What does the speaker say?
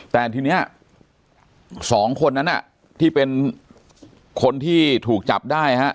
แต่ทีนี้๒คนนั้นที่เป็นคนที่ถูกจับได้ฮะ